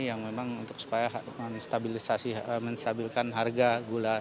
yang memang untuk supaya menstabilkan harga gula